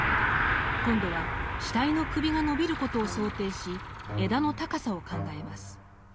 今度は死体の首が伸びることを想定し枝の高さを考えます。